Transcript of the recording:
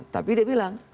tapi dia bilang